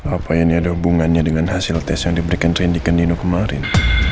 apa ini ada hubungannya dengan hasil tes yang diberikan randy ke nino kemarin